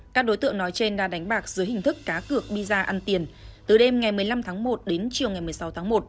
các đối tượng nói trên đã đánh bạc dưới hình thức cá cược đi ra ăn tiền từ đêm ngày một mươi năm tháng một đến chiều ngày một mươi sáu tháng một